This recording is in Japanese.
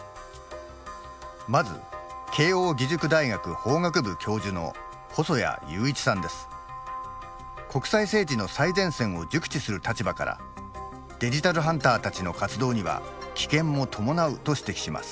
まず国際政治の最前線を熟知する立場からデジタルハンターたちの活動には危険も伴うと指摘します。